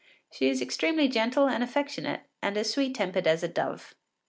She is extremely gentle and affectionate, and as sweet tempered as a dove.